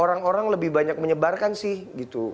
orang orang lebih banyak menyebarkan sih gitu